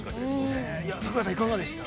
◆桜井さんいかがでした？